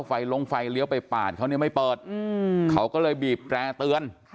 ลงไฟเลี้ยวไปปาดเขาเนี่ยไม่เปิดเขาก็เลยบีบแตร่เตือน